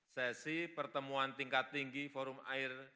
sesi pertemuan tingkat tinggi forum air